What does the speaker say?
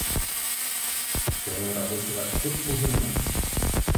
Черный рабочийға чурт булһынмы?